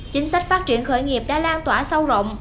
chính sách phát triển khởi nghiệp đã lan tỏa sâu rộng